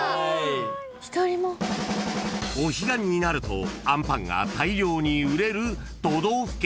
［お彼岸になるとあんパンが大量に売れる！？都道府県］